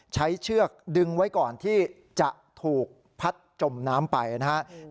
เชือกดึงไว้ก่อนที่จะถูกพัดจมน้ำไปนะครับ